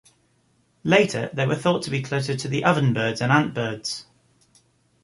Later, they were thought to be closer to the ovenbirds and antbirds.